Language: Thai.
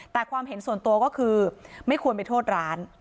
แต่ความเห็นส่วนตัวก็คือไม่ควรไปโทษร้าน